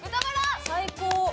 最高。